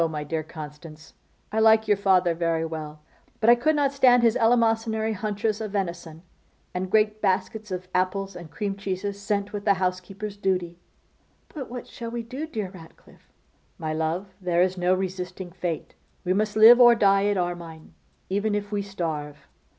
my dear Constance, I like your father very well, but I could not stand his eleemosynary haunches of venison, and great baskets of apples and cream cheeses sent with the housekeeper's duty.' 'But what shall we do, dear Ratcliffe?' 'My love, there is no resisting fate. We must live or die at Armine, even if we starve.